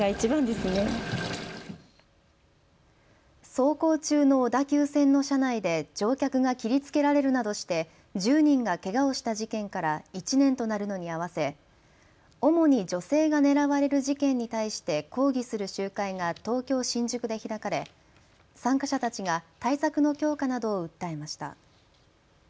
走行中の小田急線の車内で乗客が切りつけられるなどして１０人がけがをした事件から１年となるのに合わせ、主に女性が狙われる事件に対して抗議する集会が東京新宿で開かれ参加者たちが対策の強化などを訴えました。